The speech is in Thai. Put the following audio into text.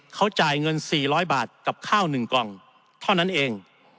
เขาจ่ายเงิน๔๐๐บาทกับข้าว๑กล่องเท่านั้นเอง